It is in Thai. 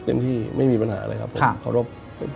เต็มที่ไม่มีปัญหาอะไรครับผมขอรบ